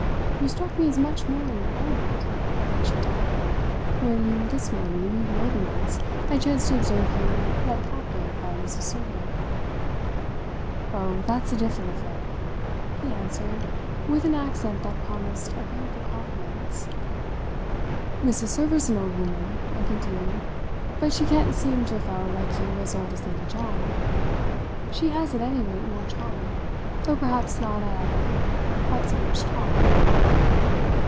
You struck me as much more in your element," I ventured to add, "when, this morning, more than once, I chanced to observe you led captive by Mrs. Server." "Oh, that's a different affair," he answered with an accent that promised a growth of confidence. "Mrs. Server's an old woman," I continued, "but she can't seem to a fellow like you as old as Lady John. She has at any rate more charm; though perhaps not," I added, "quite so much talk."